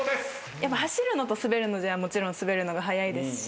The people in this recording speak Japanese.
やっぱ走るのと滑るのじゃもちろん滑るのが速いですし。